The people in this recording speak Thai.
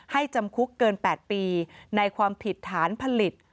จำคุกเกิน๘ปีในความผิดฐานผลิต